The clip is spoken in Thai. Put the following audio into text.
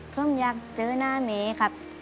ผมอยากเจอหน้าเมครับ